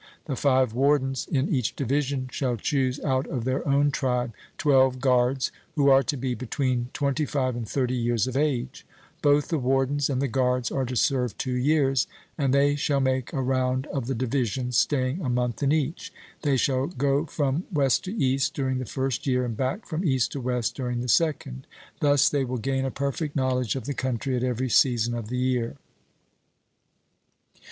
The five wardens in each division shall choose out of their own tribe twelve guards, who are to be between twenty five and thirty years of age. Both the wardens and the guards are to serve two years; and they shall make a round of the divisions, staying a month in each. They shall go from West to East during the first year, and back from East to West during the second. Thus they will gain a perfect knowledge of the country at every season of the year.